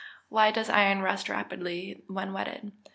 _Why does iron rust rapidly when wetted?